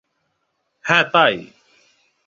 হ্যাঁ, তাই।